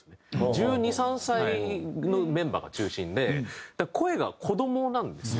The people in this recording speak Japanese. １２１３歳のメンバーが中心で声が子どもなんですよ。